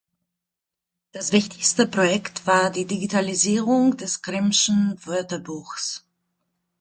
Das wichtigste Projekt war die Digitalisierung des Grimm’schen Wörterbuchs.